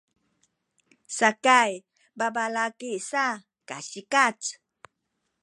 sakay babalaki sa kasikaz